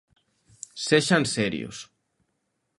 Sexan serios.